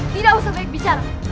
tidak usah baik bicara